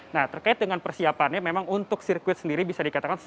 nah terkait dengan persiapannya memang untuk sirkuit sendiri bisa dikatakan sudah clear seratus